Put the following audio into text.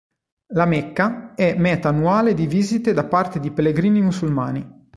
La Mecca è meta annuale di visite da parte di pellegrini musulmani.